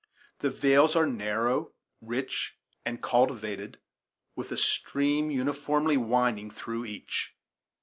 The vales are narrow, rich, and cultivated, with a stream uniformly winding through each.